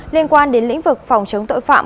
liên quan đến lĩnh vực phòng chống tội phạm